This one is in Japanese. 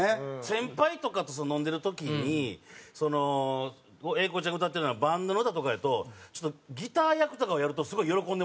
先輩とかと飲んでる時に英孝ちゃんが歌ってるようなバンドの歌とかやとちょっとギター役とかをやるとすごい喜んでもらえる。